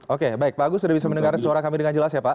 oke baik pak agus sudah bisa mendengar suara kami dengan jelas ya pak